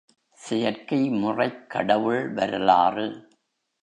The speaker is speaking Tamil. செயற்கை முறைக் கடவுள் வரலாறு...